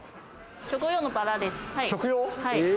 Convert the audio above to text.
食用のバラです。